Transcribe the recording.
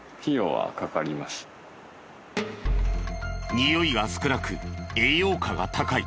においが少なく栄養価が高い。